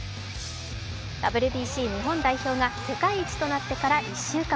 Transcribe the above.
ＷＢＣ日本代表が世界一となってから１週間。